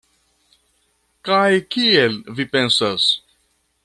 Kaj kiel vi pensas?